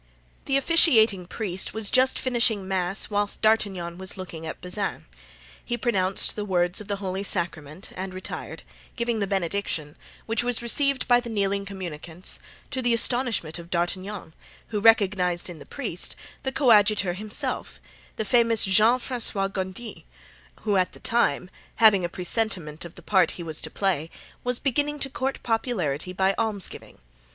The officiating priest was just finishing mass whilst D'Artagnan was looking at Bazin; he pronounced the words of the holy Sacrament and retired, giving the benediction, which was received by the kneeling communicants, to the astonishment of D'Artagnan, who recognized in the priest the coadjutor* himself, the famous Jean Francois Gondy, who at that time, having a presentiment of the part he was to play, was beginning to court popularity by almsgiving.